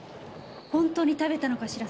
本当に食べたのかしら？